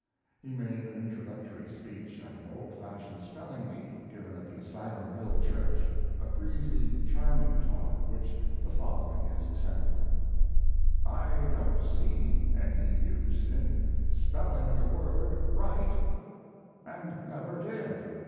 He made an introductory speech at an old fashioned spelling bee, given at the Asylum Hill Church; a breezy, charming talk of which the following is a sample: I don't see any use in spelling a word right and never did.